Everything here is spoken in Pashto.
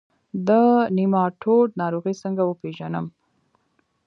د نیماټوډ ناروغي څنګه وپیژنم؟